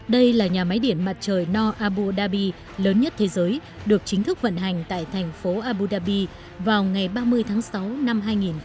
đây là nhà máy điện mặt trời no abu dhabi lớn nhất thế giới được chính thức vận hành tại thành phố abu dhabi vào ngày ba mươi tháng sáu năm hai nghìn một mươi